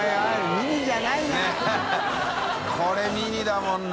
海ミニだもんな。